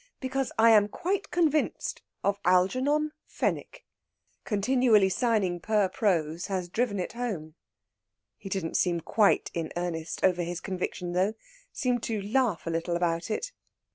Because I am quite convinced of Algernon Fenwick. Continually signing per pro's has driven it home." He didn't seem quite in earnest over his conviction, though seemed to laugh a little about it.